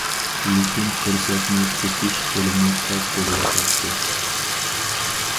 لېكىن پۇرسەتنى تېپىش تولىمۇ تەس بولۇۋاتاتتى.